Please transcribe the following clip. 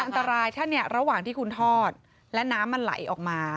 อันตรายถ้าเนี่ยระหว่างที่คุณทอดและน้ำมันไหลออกมา